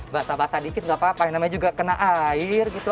basah basah dikit gak apa apa yang namanya juga kena air gitu